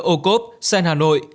ô cốp sen hà nội